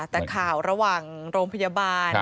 แต่ข่าวระหว่างโรงพยาบาล